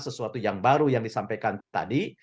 sesuatu yang baru yang disampaikan tadi